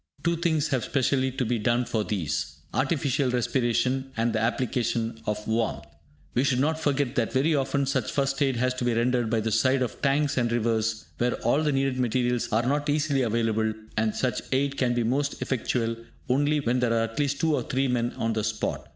Two things have specially to be done for these, artificial respiration, and the application of warmth. We should not forget that very often such 'First aid' has to be rendered by the side of tanks and rivers, where all the needed materials are not easily available, and such aid can be most effectual only when there are at least two or three men on the spot.